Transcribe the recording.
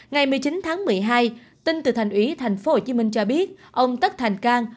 ngày một mươi chín tháng một mươi hai tin từ thành ủy thành phố hồ chí minh cho biết ông tất thành cang